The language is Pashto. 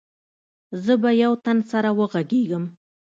زه به يو تن سره وغږېږم.